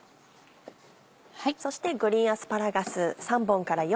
そしてグリーンアスパラガス。